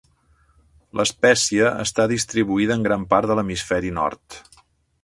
L'espècie està distribuïda en gran part de l'hemisferi nord.